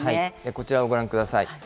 こちらをご覧ください。